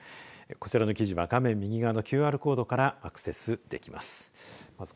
こちらの記事は画面右側のＱＲコードからアクセスできます。